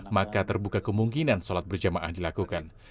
maka terbuka kemungkinan sholat berjamaah dilakukan